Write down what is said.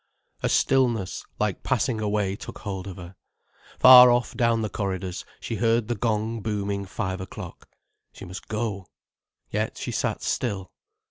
A stillness, like passing away, took hold of her. Far off, down the corridors, she heard the gong booming five o'clock. She must go. Yet she sat still.